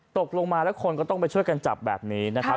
ตกลงมาแล้วคนก็ต้องไปช่วยกันจับแบบนี้นะครับ